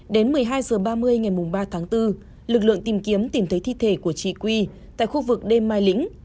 đến một mươi hai h ba mươi ngày ba tháng bốn lực lượng tìm kiếm tìm thấy thi thể của chị quy tại khu vực đêm mai lĩnh